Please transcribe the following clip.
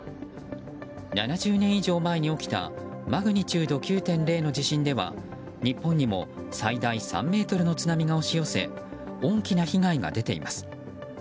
７０年以上前に起きたマグニチュード９．０の地震では日本にも最大３ｍの津波が押し寄せ大きな被害が出ています。